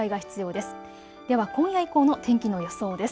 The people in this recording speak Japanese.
では今夜以降の天気の予想です。